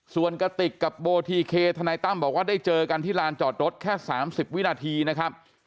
ส่วนกติกกับโบทีเคทนายตั้มบอกว่าได้เจอกันที่ลานจอดรถแค่๓๐วินาทีนะครับ